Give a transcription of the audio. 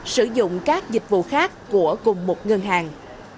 đây là những dịch vụ khác của cùng một ngân hàng